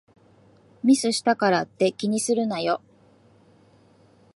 ミスしたからって気にするなよ